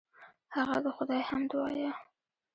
هغه د خدای حمد وایه.